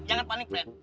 jangan panik ben